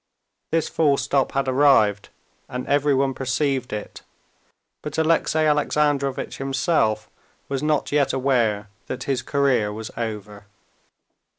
This full stop had arrived and everyone perceived it, but Alexey Alexandrovitch himself was not yet aware that his career was over.